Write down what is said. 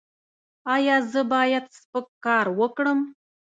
ایا زه باید سپک کار وکړم؟